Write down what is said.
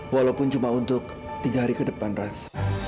walaupun cuma untuk tiga hari ke depan ras